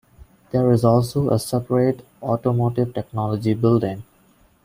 There is also a separate automotive technology building.